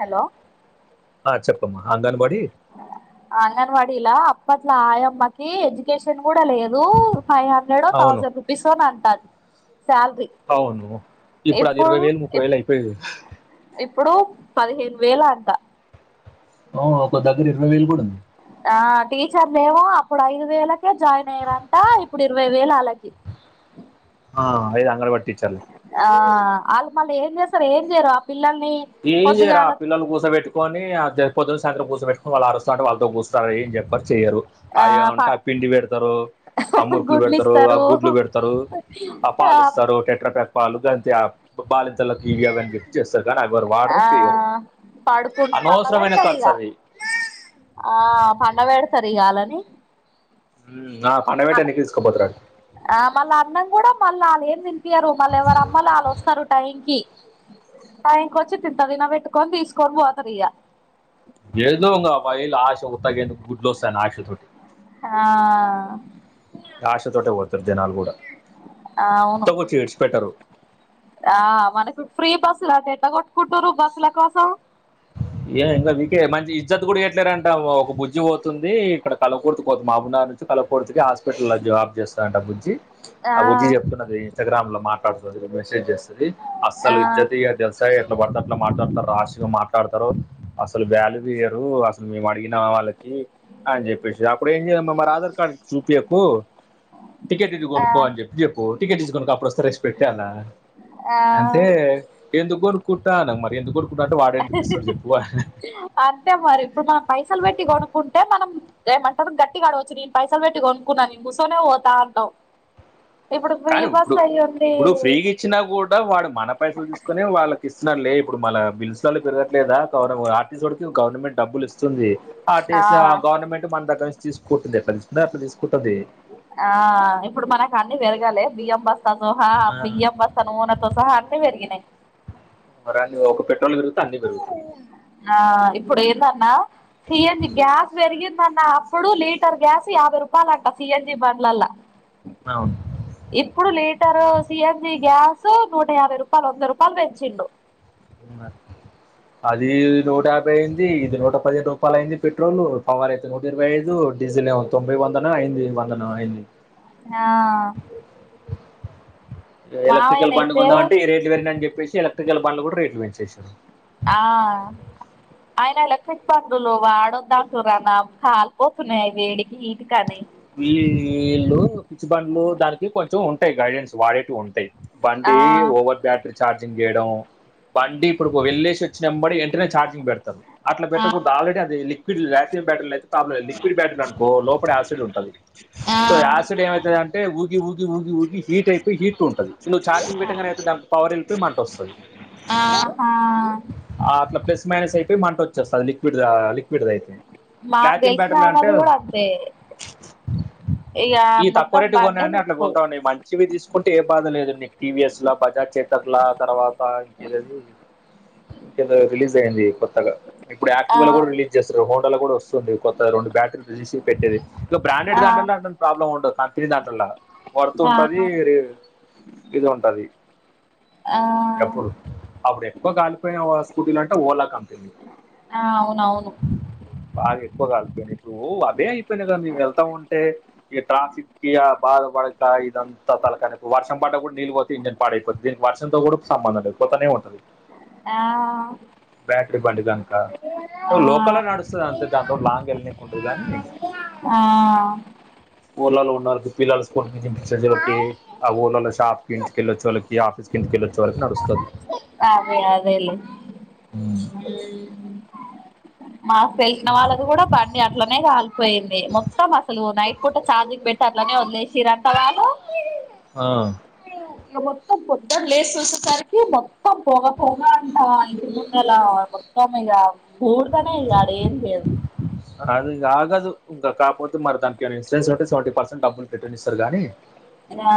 Hello ఆ చెప్పమ్మా అంగన్వాడీ అంగన్వాడీలా అప్పట్ల ఆయమ్మకి ఎడ్యుకేషన్ కూడా లేదు ఫ నెడో అవును థౌసండ్ రుపీస్ ఓ అంతాది శాలరీ అవును ఇప్పుడు అది ఇరవై వేలు ముప్పై వేలు అయిపోయింది ఇప్పుడు పదిహేను వేల అంట ఒక దగ్గర ఇరవై వేలు కూడా ఉంది ఆ టీచర్లు ఏమో అప్పుడు ఐదు వేలకే జాయిన్ అయ్యారంట ఇప్పుడు ఇరవై వేలు ఆళ్లకి ఆ అదే అంగన్ వాడి టీచర్ ఆ వాళ్ళు మళ్ళీ ఏం చేస్తారు ఏం చేయరు ఆ పిల్లల్ని ఏంచెయ్యారు ఆ పొద్దుగాల పిల్లలు కూర్చోబెట్టి కోని పొద్దున్న సాయంత్రం కూర్చో పెటుకొని వాళ్ళు అరుస్త ఉంటే వాళ్ళతో కూర్చొని ఏం చెప్పరు చేయరు ఆ ఏమంటే ఆ పిండి పెడతారు ఆ మురుకులు గుడ్లు పెడతారు ఆ ఇస్తారు గుడ్లు పెడతారు ఆ పాలు ఇస్తారు టెట్ర ప్యాక్ పాలు బాలింతలకి ఇవి అవని ఇస్తారు వాళ్ళు ఆ వాడరు చేయరు పడుకు అనవసరమైన పండబెడతారు ఖర్చు ఇక అది ఆ పండగేడతారుగాలని ఆ పండబెట్టినకే తీసుకుపోతారు ఆ మళ్ళా అన్నం కూడా మళ్ళీ వాళ్ళ ఏం తి నిపియారు మళ్ళ ఎవరు అమ్మలు వాళ్ళు వస్తారు టైం కి ఆ ఇంకొచ్చి తిన పెట్టుకొని తీసుకొని పోతాది ఇగ ఎళ్దుంగ బాయిలు ఆశ ఉగ ఎందుకు గుడ్లు వస్తాను ఆశ తోటి [unintelligible] ఆ ఆశతోటే పోతురూ జనాలు కూడా ఆ అవును ఉత్తకొచ్చి ఇడిచిపెట్టరు ఆ మనకు ఫ్రీ బస్సుల ఎట్లా కొట్టుకుంటురు బస్సుల కోసం ఏ ఇంకా వీకే మంచి ఇజ్జత్ కూడా ఇయట్లేరంట ఒక బుజ్జి పోతుంది ఇక్కడ పాలకూర్తి పోతుంది మహబూబ్ నగర్ నుంచి పాలకుర్తికి హాస్పిటల్లో లో జాబ్ చేస్తారంట బుజ్జి ఆ బుజ్జి చెప్తున్నది ఇన్స్టాగ్రామ్ లో మాట్లాడుతుంది మెసేజ్ చేస్తాది ఆ అస్సలు ఇజ్జత్ ఇయదు యి ఎట్లా పడితే అట్లా మాట్లాడతారు రాష్ గా మాట్లాడతారు అసలు వాల్యూ ఈయరు అ మేము అడిగినా వాళ్ళకి అని చెప్పేసి అప్పుడు ఏం చేయమ్మా మరి ఆధార్ కార్డ్ చూపియాకు టికెట్ ఇటు కొనుక్కో అని చెప్పి చెప్పు టికెట్ తీసుకో అప్పుడు వస్తే రెస్పెక్ట్ ఆ అంటే ఎందుకు కొనుకుంటాను మరి ఎందు కొనుకుంటా అంటే వాడు ఎందుకు ఇస్తాడు చెప్పు అన్నా అంతే మరి ఇప్పుడు మనం పైసలు పెట్టి కొనుక్కుంటే మనం దే మంట గట్టి అడగచ్చు నేను పైసలు పెట్టి కొనుకున్నా నేను కుసోనే పోతా అంటావు ఇప్పుడు ప్రీ కానీ ఇప్పుడు బస్ అయి ఉండి ఇప్పుడు ఫ్రీగా ఇచ్చినా కూడా వాడు మన పైసలు తీసుకుని వాళ్ళకి ఇస్తున్నారులే ఇప్పుడు మళ బిల్స్ వాల్ పెరగట్లేదా కవ ఇస్ సొంటి గవర్నమెంట్ డబ్బులు ఇస్తుంది ఆర్టీసీ ఆ గవర్నమెంట్ మన దగ్గర నుంచి తీసుకుంటుంది ఎక్కడ నుంచో అట్లా తీసుకుంటాది ఆ ఇప్పుడు మనకు అన్ని పెరగాలే బియ్యం బస్తా తో సహా ఆ, బియ్యం బస్ నూనెతో సహా అన్ని పెరిగినాయి మరి అ ఒక పెట్రోల్ పెరుగుతె అన్ని పెరుగుతాయి ఆ ఇప్పుడు ఏందన్న సిఎన్జి గ్యాస్ పెరిగిందన్న అప్పుడు లీటర్ గ్యాస్ యాభై రూపాయలు అంట సిఎన్జి బండ్ల అవును ఇప్పుడు లీటరు సిఎన్జి గ్యాస్ నూట యాభై రూపాయలు వంద రూపాయలు పెంచిండు అవును అది నూట యాభై అయింది ఇది నూట పదిహేను రూపాయల అయింది పెట్రోల్ పవర్ ఎక్కువ నూట ఇరవై ఐదు డీజిల్ తొంభై వందన అయింది వందనం అయింది ఆ ఎలక్ట్రికల్ బండి మామయ్యనైతే కొందా అంటే ఈ రేట్లు పెరినని చెప్పేసి ఎలక్ట్రికల్ బండ్లు కూడా రేట్లు పెంచేేశారు ఆ ఆయన ఎలక్ట్రిక్ బండ్లు వాడొద్దు అంటుారనా కాలిపోతున్నాయి వేడికి హీటు అని ఈ వీళ్ళు పిచ్చి బండ్లు దానికి కొంచెం ఉంటాయి గైడెన్స్ వాడేటివి ఉంటాయి ఆ బండి ఓవర్ బ్యాటరీ ఛార్జింగ్ చేయడం బండి ఇప్పుడు వెళ్ళేసి వచ్చినంబడి వెంటనే ఛార్జింగ్ పెడతారు అట్లా పెట్టకుండాదు ఆల్రడీది లిక్విడ్ తీయ బ్యాటరీ అయితే లిక్విడ్ బ్యాటరీ అనుకో లోపడ లిక్విడ్ ఉంటది సో ఆ యాసిడ్ ఏమవుతుంది అంటే ఊగి ఊగి ఊగి ఊగి హీట్ అయిపోయి హీట్ లో ఉంటుంది నువ్వు ఛార్జింగ్ పెట్టటంగానే అవుతుంది పవర్ వెళ్ళిపొయి మంట వస్తుంది ఆ ఆ అట్లా ప్లస్ మైనస్ అయిపోయి మంట వచ్చేస్తుది లిక్విడ్ లిక్విడ్ది అయితే మాకు ప్లాటియం తెలిసిన బ్యాటరీలు అంటే ఆయనది కూడా అంతే ఇగా మొత్తం బండె నేకు సివిల్ తీసుకుంటే ఏ బాధ లేదు మీకు టీవీఎస్ ల బజాజ్ చేతర్ ల తర్వాత ఇంకది ఇంకేదో రిలీజ్ అయింది కొత్తగా ఇప్పుడు ఆ యాక్టివ్ లో కూడా రిలీజ్ జస్ట్ రోమోట్ ల కూడా వస్తుంది కొత్త రెండు బ్యాటరీ తీసి పెట్టేది ఇక బ్రాండెడ్ ఆ దాంట్లో ఏం ప్రాబ్లం ఉండదు వర్తు ఆ ఉంటది ఇది ఉంటది ఆ ఎప్పుడు అప్పుడు ఎక్కువ కాలిపోయిన స్కూటీలు అంటే ఓలా కంపెనీ ఆ అవునవును బాగా ఎక్కువగాలికపోయిన నీకు అదే అయిపోయినాయి కదా మేము వెళ్తా ఉంటే ఇక ట్రాఫిక్ కి బా బాక ఇదంత తలకయా నొప్పి వర్షం పడ్డ కూడా నిల్వ నేను పాడైపోతుంది దీని వర్షంతో కూడా సంబంధం లేదు పోతనే ఉంటది ఆ బ్యాటరీ బండ్ దానికా ఆ లోకలే నడుస్తుంది అంతే దాని తోని లాంగ్ వెళ్ళనీకి ఉండదు గాని ఆ ఓర్లల్లో వున్నోళ్ళకి పిల్లలు స్కూల్ కి దింపియ్యడానికి ఆ ఊర్లలో షాప్ కి కెల్లోచె వాళ్ళకి ఆఫీస్ కి ఇంటికి వెళ్ళొచ్చా వాళ్ళకి నడుస్తుంది అదే అదెలే మాకు తెలిసిన వాళ్ళది ఇంకా కూడా బండి అట్ల అట్లనే కాలిపోయింది మొత్తం అసలు నైట్ పూట ఛార్జింగ్ పెట్టి అట్లనే వదిలేసిరూ అంట వాళ్ళు ఆ ఇక మొత్తం పొద్దునా లేచి చూసేసరికి మొత్తం పోగా పోగా అంట ఇంటి ముందల మొత్తం ఇగ బూడిదనే ఇగ ఆడుఏంచెయ్యడు అది దాగదు ఇంక కాకపోతే మరి దానికి ఏమన్నా ఇన్సూరెన్స్ ఉంటే సెవెంటీ ప్రెసెంట్ డబ్బులు రిటన్ ఇస్తారు గాని రా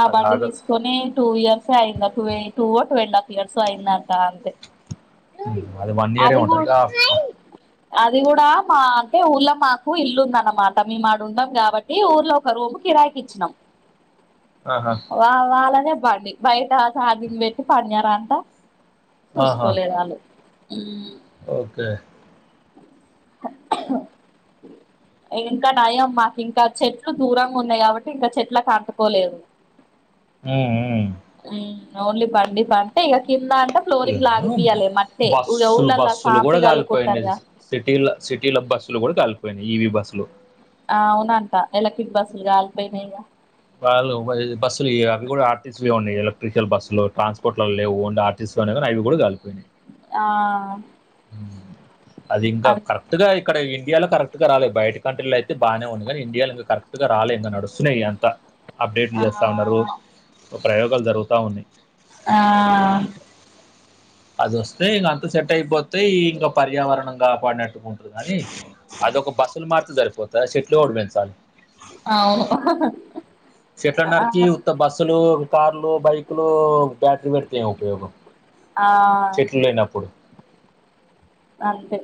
ఆ అది బండి ఆగదు తీసుకొని టూ ఇయర్స్ ఏ అయ్యిందట టూ ఓ టూ అండ్ హాఫ్ ఇయర్స్ ఓ అయిందంట అంతే ఉమ్, వన్ ఇయరే అది కూడా ఉంటుంది అది కూడా మా అంటే ఊళ్ళ మాకు ఇల్లుందన్నమాట మేము ఆడ ఉండము కాబట్టి ఈ ఊర్లో ఒక రూమ్ కిరాయికి ఇచ్చినాం ఆహా వా వాళ్ళనే పండి బయట చార్జని పెట్టి పడినారంట ఆహా చూసుకోలేదు వాళ్ళు ఓకే ఇంకా నయం మాకు ఇంకా చెట్లు దూరంగా ఉన్నాయి కాబట్టి ఇంకా చెట్లకు అంటుకోలేదు ఉ ఉ ఉ ఓన్లీ బండికంటే ఇక కింద అంటే ఫ్లోరింగ్ ఏమో, లాగిపియాలే మట్టే ఇగా బస్సులు ఊరులలా బస్సులు కూడా సాపిగా అల్లుకుంటారు కాలిపోయినాయి గా సిటీల సిటీల బస్సులు కూడా కలిపోయినాయి ఈవి బస్సులు ఆ అవునంట ఎలక్ట్రిక్ బస్సులు కాలిపోయినాయిగా, వాళ్ళు బస్సులు అవి కూడా ఆర్ టీ సి వి ఉయి ఎలక్ట్రికల్ బస్సులు ట్రాన్స్పోర్ట్ లో లేవుం ఆర్టీస్నీ అవి కూడా కలిపోయి ఆ అది ఇంకా అ కరెక్ట్ ముందుగా ఇక్కడ ఇండియాలో కరెక్ట్ గా రాలే బయట కంట్రీలో అయితే బానే ఉంది కానీ ఇండియాల ఇంకా కరెక్ట్ గా రాలే ఇంగ నడుస్తు స్నేయి అంత అప్డేట్లు ఆ చేస్తా ఉన్నారూ ప్రయోగాలు జరుగుతా ఉన్నాయి. ఆ అదొస్తే ఇంగ అంత సెట్ అయిపోతే ఇంగ పర్యావరణం కాపాడినట్ ఉంటది కానీ అదోక బస్సులు మర్చితే సరిపోతా చెట్లు కూడా పెంచాలి. అవును చెట్లని ఆ నరికి ఉత్త బస్సులు కార్లు బైక్లు బ్యాటరీ పెడితే ఏంఉపయోగం ఆ చెట్లు లేనప్పుడు అంతే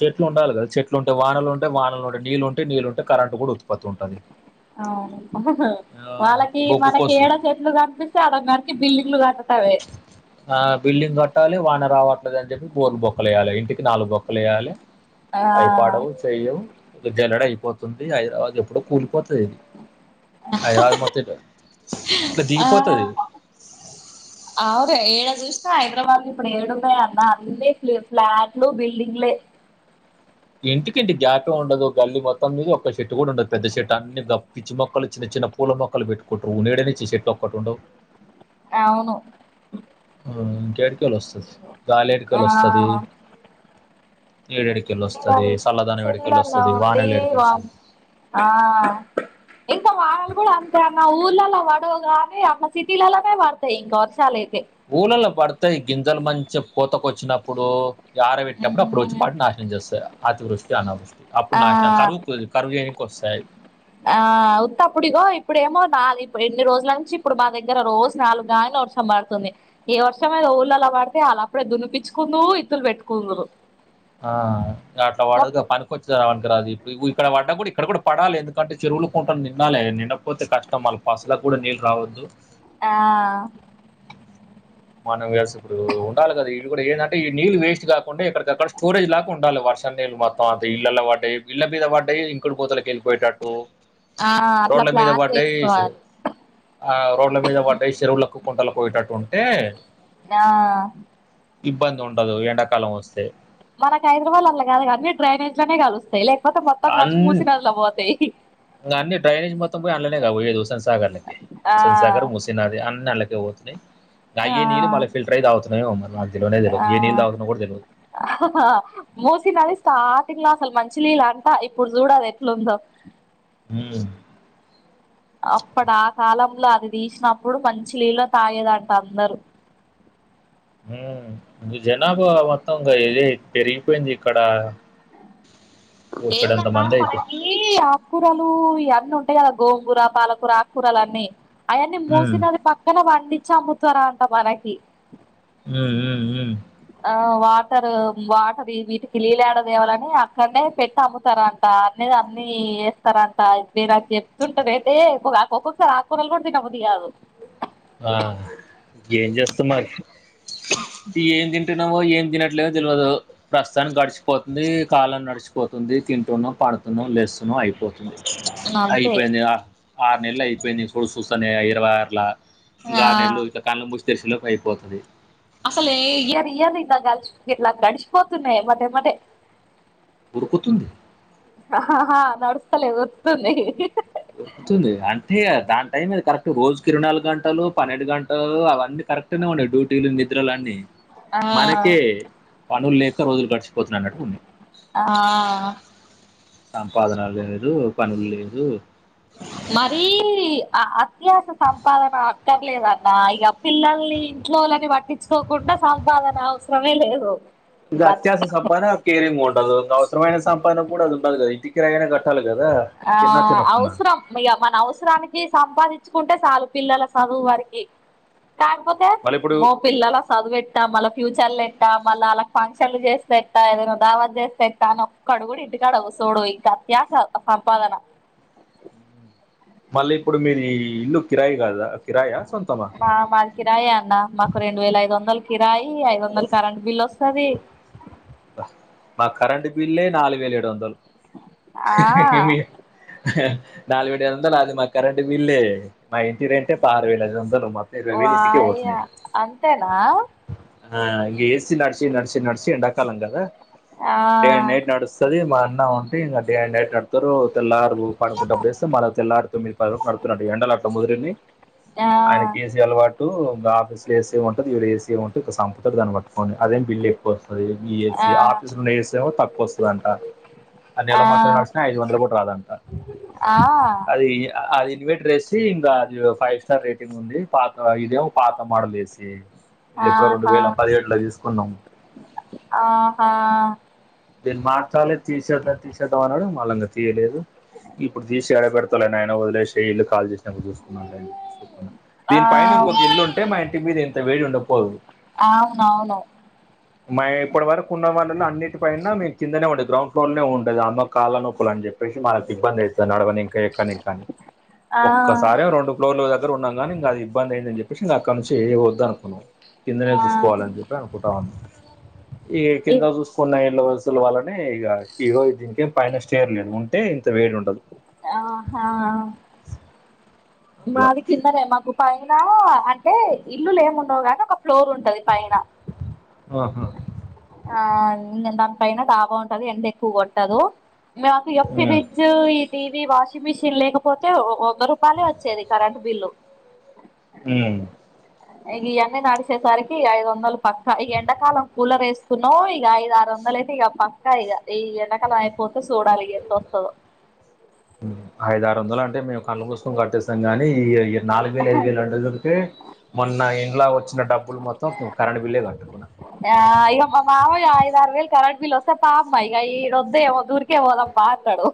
చెట్లు ఉండాలి గదా చెట్లుంటే వానలు ఉంటయి వానలు ఉంటే నీళ్ళుంటాయి నీళ్ళుంటే కరెంట్ కూడు పత్ ఉంటది అవును వాళ్ళకి బొగ్గు మనకి కోసం ఏడ చెట్లు కనిపిస్తే అడ నరికి బిల్డింగ్లు కట్టడమే [unintelligible] ఆ బిల్డింగ్ కట్టాలి వాన రావట్లేదు అని చెప్పి బోర్లు బొక్కలేయాలి ఇంటికి నాలుగు బొక్కలేయాలి ఆ అయి పాడవు చెయ్యవు జల్లెడ అయిపోతుంది అది ఎప్పుడో కూలిపోతది హైదరాబాద్ మొత్తం ఇట్లా ఇట్లా ఆ దిగిపోతది. [unintelligible] అవును ఏడ చూసినా హైద్రాబాద్ లో ఇప్పుడు ఏడున్నాయ్ అన్న అన్నీ ఫ్లాట్లు బిల్డింగ్లే ఇంటికి ఇంటి గ్యాపే ఉండదు గల్లి మొత్తం మీద ఒక చెట్టు కూడా ఉండదు పెద్ద చెట్టు అన్ని పిచ్చి మొక్కలు చిన్న చిన్న పూల మొక్కలు పెట్టుకుంటరు నిడ నిచ్చే చెట్లు ఒకటి ఉండవు అవును ఇంకేడికేళ్ళి వస్తది గాలి ఆ ఏడికెళ్ళి వస్తది నీడేడి కెళ్ళి వస్తది సిటీలల్ సల్లదనం ఏడికెళ్ళి సిటీలల్లో వస్తది ఉండి వానలు ఎడికెళ్ళి వామ్ వస్తది ఆ ఇంక వా ర్షాలు కూడా అంతే అన్న ఊళ్ళల్లో పడవుగానీ అట్లా సిటీలల్లోనే పడతాయి ఇంకా వర్షాలు అయితే ఊలల్లో పడతాయి గింజలు మంచి పోతకు వచ్చినప్పుడు ఆరవెట్టినప్పుడు అప్పుడు వచ్చి మ్మ్ పడి నాశనం చేస్తాయి అతివృష్టి అనావృష్టి అప్పుడు ఆ నాశనం కరువు కుది కరువే కొస్సాయి ఆ ఉత్త అప్పుడు ఇగో ఇప్పుడేమో నాలుగు ఎన్ని రోజుల నుంచి ఇప్పుడు మా దగ్గర రోజూ నాలుగుగాన్లే వర్షం హం పడుతుంది ఏ వర్షం ఏదో ఊర్లల్లో పడితే అళ్లప్పుడే దున్నిపించ్చుకుందురు ఇత్తులు పెట్టుకుందరు ఆ అట్లా వడదుగా పనికొచ్చేదా అనికిరాదు ఇప్పు ఇక్కడ పడ్డా కూడా ఇక్కడ కూడా పడాలి ఎందుకు కాట్టి చెరువులు కుంటలు నిండాలి నిండకపోతే కష్టం మళ్ల పశువులకు కూడా నీళ్ళు రావద్దూ ఆ మనం వేసి ఇప్పుడు ఉండాలి కదా ఇవి కూడా ఏందటే ఈ నీళ్ళు వేస్ట్ కాకుండా ఇక్కడిక్కడ స్టోరేజ్ లాగా ఉండాలి వర్ష నీళ్ళు మా తవాత ఇళ్ళలో పడ్డయి ఇళ్ళ మీద పడ్డయి ఇంకుడు పోతలకి ఎళ్ళిపోయేటట్టు ఆ అట్లా రోడ్ల మీద ప్లాన్ పడయి చేసుకోవాలి ఆ రోడ్ల మీద పడ్డయి చెరువులకు కుంటలకు పోయేటట్టు ఉంటే ఆ ఇబ్బంది ఉండదు ఎండాకాలం వస్తే మనకి హైదరాబాద్ అట్ల కాదు కానీ డ్రైనేజ్ లోనే కలుస్తాయి లేకపోతే మొత్తం కలిసి మూసీ నదిలో పోతాయి ఇంగ అన్నీ డైనేజ్ మొత్తం పోయే ఆన్లనే గా పొయ్యేది హుస్సేన్ ఆ సాగర్ ముస్ తి నది అన్నీ అళ్లకే పోతున్నాయి గ ఆ అయ్యే నీళ్ళు మళ్ళ ఫిల్టర్ అయి తాగుతున్నామేమో మరి నాకు తెల్వనే తెల్వదు ఏ నీళ్ళు తవుతున్నాం కూడా తెల్వదు మూసీ నది స్టార్టింగ్ లో అసలు మంచి నీళ్ళు అంట ఇప్పుడు చూడ అది ఎట్లుందో ఊ అప్పుడు ఆ కాలంలో అది తీసినప్పుడు మంచి నీళ్ళు తాగేదంట అందరూ ఊ జనాభా మొత్తం గా ఇదే పెరిగిపోయింది ఇక్కడ బొచ్చెడంతో మందాయిప్పు ఈ ఆకుకూరలు ఇవన్నీ ఉంటాయి కదా గోంగూర పాలకూర ఆకుకూరలు అన్నీ అయన్నీ మూసీ ఉమ్ నది పక్కన పండించి అమ్ముతారంట మనకి ఊ ఊ ఊ ఆ వాటర్ వాటర్ వీటికి లీలాడ దావాలని అక్కడనే పెట్టమ్ము స్తారంట అన్నది అన్నీ వేస్తారంట వేర అ చెప్తుంటారు అయితేక్కొక్క స అక్కురలు కూడా తినబుద్ధి కాదు ఆ ఏం చేస్తా మరి ఏం పట్టినము ఏం తినట్లేదో తెలివదు ప్రస్తుతానికి గడిచిపోతుంది కాలం నడిచిపో పోతుంది తింటున్నాం పడుతున్నాం లేస్తున్నాం అయిపోతుంది అంతే అయిపోయిందిగా ఆరు నెలలు అయిపోయింది చూ చూస్తానే ఇరవై ఆరుల ఇంకా ఆ ఆరు నెలలు ఇ కన్ను మూసి తెరిసే లోపు అయిపోతుంది అసలు ఇయర్ ఇయర్ ఇ ల్ ఇట్లా గడిచిపోతున్నా మదే మదే ఉడుకుతుంది హా నడుస్తస్తాలే గుర్తున్నాయ్ దొరుకుతుంది అంటే దాని టైం అది కరెక్ట్ రోజుకి ఇరవై నాలుగు గంటలు పన్నెండు గంటలు అవన్నీ కరెక్ట్ నే ఉండయి డ్యూటీలు నిద్రలు అన్నీ మనకే ఆ పనులు లేక రోజులు గడిచిపోతున్నాన్నట్టు ఉంది ఆ సంపాదన లేదు పనులు లేదు మరీ అత్యాస సంపాదన క్కర్లేదన్న ఇక పిల్లల్ని ఇంట్లోని పట్టించుకోకుండా సంపాదన అవసరమే లేదు ఇగ అత్యాస బతుకు సంపాదన కేరింగ్ ఉండదు అవసరమైన సంపాదన కూడా అది ఉండదు కదా ఇంటి కిరాయి కట్టాలి కదా ఆ తిన్నా తినకున్నా ఔసరం ఇ మన అవసరానికి సంపాదించుకుంటే చాలు పిల్లల చదువు వరికి కాకపోతే వాళ్ళ ఇప్పుడు మో పిల్లల చదువు ఎట్టా మళ్ళ ఫ్యూచర్లు ఎట్టా మళ్ళ వాళ్ళకి ఫంక్షన్లు చేస్తే ఎట్టా ఏదైనా ఉ దావా చేస్తే ఎట్టాను క్కడు గూడ ఇంటికాడ కుర్సోడు ఇంకా అత్యాస సంపాదన మళ్ళీ ఇప్పుడు మీరు ఇల్లు కిరాయి కాదా కిరాయా సొంతమా ఆ మాది కిరాయి అన్న మాకు రెండు వేల ఐదు వందల కిరాయి ఐదు వందల కరెంట్ బిల్ ఒస్తది మా కరెంట్ బిల్లే నాలుగు వేల ఏడు వందలు ఆ నాలుగు పెట్టేదంత మాది కరెంట్ బిల్లే మా ఇంటి రెంటే పదారువేల ఐదు వందలు మొత్తం ఇరవై వేలు ఇంటికే వాయ పోతున్నాయి అంతేనా ఆ ఇగ ఏసి నడ్సి నడ్సి నడ్సి ఎండ కాలంగద ఆ డే అండ్ నైట్ నడుస్ స్తది మా అన్న ఉంటే ఇంకా డే అండ్ నైట్ నడతారు తెల్లారు పనుకుంటన్నప్పుడేస్తే మళ్ళా తెల్లరు తొమ్ది పది నడుతుట్టు ఎండల అట్ ముదిరిని ఆ ఆయన కేసీ అలవాటు పుడు ఆఫీస్ లో ఏసే ఉంటది ఈడ ఏసి ఉంటే సంపుతాడు దాన్ని పట్టుకొని అదే బిల్ ఎక్కువ వస్తది ఆ ఏసి ఆఫీస్ లో ఉండే ఏసీ ఏమో తక్కువొస్తదంట అ నెల ఆ మొత్తం నడుసిన ఐదు వందలు గూడ రాదంటా ఆ అది అది ఇన్వట రేస్ ఇంకా అది ఫైవ్ స్టార్ రేటింగ్ ఉంది పాత ఇదేమో పాత మోడల్ ఏసీ ది ఎప్పుడో రెండు ఆహా వేల పదిహేళ్లో తీసుకున్నాం ఆహా దీన్ని మాట్చాలే తీసద్దా తీసేద్దాం అన్నాడు మళ్ళా ఇంగ తీయలేదు ఇప్పుడు తీసి యాడ బెడతాలే నాయన వదిలేసేయి ఇల్లు కాలి చేసి నప్పుడు చూసుకుందాంలే అని చెప్పి ఊకున్న ఆ దీని పైన ఇంకొక ఇల్లు ఉంటే మా ఇంటి మీద ఇంత వేడి ఉండకపోవు అవునవును మా ఇప్పటి వరకు ఉన్న వాళ్ళలో అన్నింటి పైన మేము కిందనే ఉండే గ్రౌండ్ ఫ్లోర్ లనే ఉండేది అమ్మ కాళ్ళ నొప్పులు అని చెప్పేసి మనకు ఇబ్బంది అయితది నడవనికే, ఎక్కనికే అనీ ఆ ఒక్కసారేమో రెండు లోన్ల దగ్గర ఉన్నాం కానీ ఇంగ అది ఇబ్బంది అయిందని చెప్పేసి ఇంగ అక్కడ నుంచి ఏ వద్దు అనుకున్నాం. కిందనే ఆ చూసుకోవాలని చెప్పి అనుకుంటా ఉన్నం ఈ ఇ కింద చూసుకున్న ఇళ్ళ వసుల వల్లనే ఇగ ఈరోజు దీనికే పైన స్టేర్ లేదు ఉం టే ఇంత వేడి ఉండదు ఆహా అట్లా మాది కిందనే మాకు పైన అంటే ఇల్లులు ఏమ్ ఉండవు కానీ ఒక ఫ్లోర్ ఉంటది పైన ఆహా ఆ ఇంగ దానిపైన డాబా వుంటది ఎండ ఎక్కువ కొట్టదు మాకు ఇగ ఫ్రి ఉమ్. జ్ ఈ టీవీ వాషింగ్ మిషిన్ లేకపోతే వంద రూపాయలే వచ్చేది కరెంట్ బిల్లు ఉమ్ ఇగివన్నీ నడిచేసరికి ఐదు వందలు పక్కా ఈ ఎండాకాలం కూలర్ ఏసుకున్నాం ఇగ ఐదు ఆరు వందలయి తే పక్కా ఇగ ఈ ఎండకాలం అయిపోతే సూడాలి ఇగ ఎంత వస్తదో ఉమ్ హూ ఐదు ఆరు వందలు అంటే మేము కండ్లు మూసుకొని కట్టేస్తాం కాని ఈ నాలుగు వేలు ఐదు వేలు రెండు వందలు ఉంటే మొన్న ఇండ్ల వచ్చిన డబ్బులు మొత్తం కరెంట్ బిల్లే కట్టుకున్నా ఆ ఇగ మా మావయ్య ఐదా ఆరు వేలు కరంట్ బిల్ వస్తే పా అమ్మ ఇగ ఈడ వద్దే వద్దు ఊరికే పోదంపా అం టడు